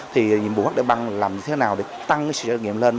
thì nhiệm vụ hắc đại băng làm thế nào để tăng sự trải nghiệm lên